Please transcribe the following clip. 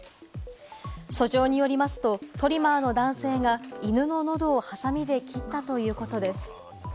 訴状によりますと、トリマーの男性が犬ののどをハサミで切ったということです。